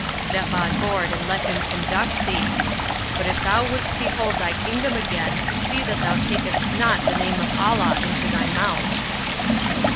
Step on board and let him conduct thee; but if thou wouldest behold thy kingdom again, see that thou takest not the name of Allah into thy mouth."